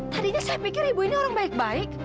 tadinya saya pikir ibu ini orang baik baik